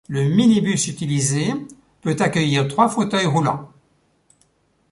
Le minibus utilisé peut accueillir trois fauteuils roulants.